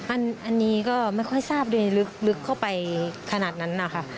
อันนี้ก็ไม่ค่อยทราบโดยลึกเข้าไปขนาดนั้นนะคะ